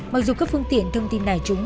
mặc dù các phương tiện thông tin đài trúng